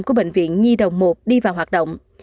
của bệnh viện nhi đồng một đi vào hoạt động